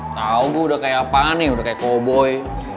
tau gue udah kayak apaan nih udah kayak koboi